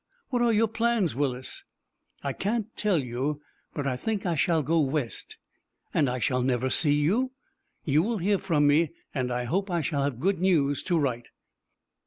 "What are your plans, Willis?" "I can't tell you, but I think I shall go West." "And I shall never see you!" "You will hear from me, and I hope I shall have good news to write."